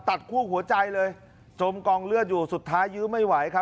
คู่หัวใจเลยจมกองเลือดอยู่สุดท้ายยื้อไม่ไหวครับ